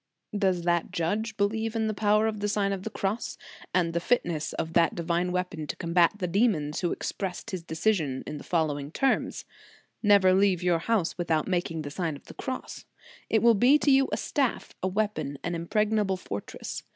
Does that judge believe in the power of In the Nineteenth Century. 201 the Sign of the Cross, and the fitness of that divine weapon to combat with the demons, who expresses his decision in the following terms :" Never leave your house without making the Sign of the Cross. It will be to you a staff, a weapon, an impregnable fortress.